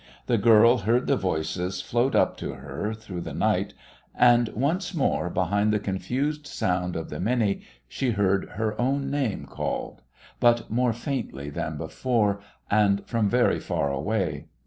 The girl heard the voices float up to her through the night, and once more, behind the confused sound of the many, she heard her own name called, but more faintly than before, and from very far away.